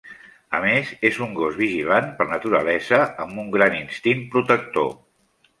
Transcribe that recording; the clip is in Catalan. A més, és un gos vigilant per naturalesa amb un gran instint protector.